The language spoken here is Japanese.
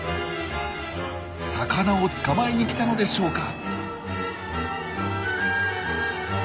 魚を捕まえに来たのでしょうか？